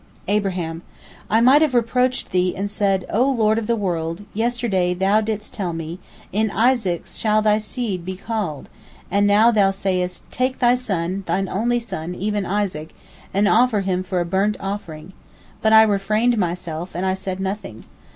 Abraham: "I might have reproached Thee, and said, O Lord of the world, yesterday Thou didst tell me, In Isaac shall Thy seed be called, and now Thou sayest, Take thy son, thine only son, even Isaac, and offer him for a burnt offering. But I refrained myself, and I said nothing.